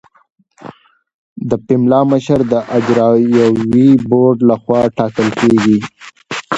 د پملا مشر د اجرایوي بورډ لخوا ټاکل کیږي.